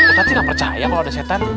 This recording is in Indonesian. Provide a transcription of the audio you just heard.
ustaz sih gak percaya kalau ada setan